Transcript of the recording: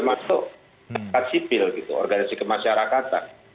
masuk ke masyarakat sipil gitu organisasi kemasyarakatan